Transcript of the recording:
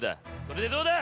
それでどうだ？